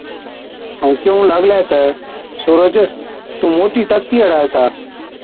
ائُون ڪيهُون لاگلَي تہ، سُورج تُون موٽِي طاقتِي هاڙا هِتا۔